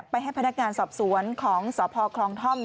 ให้พนักงานสอบสวนของสพคลองท่อม